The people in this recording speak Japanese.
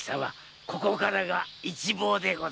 ここからが一望でございます。